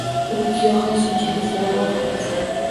U giyohlar shunchaki ziravor, xolos